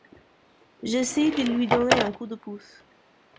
J’essaie de lui donner un coup de pouce.